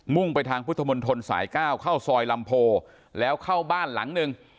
่งไปทางพุทธมนตรสาย๙เข้าซอยลำโพแล้วเข้าบ้านหลังหนึ่ง